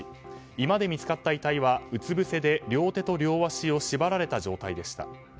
今で見つかった遺体はうつぶせで両手と両足を縛られた状態でした。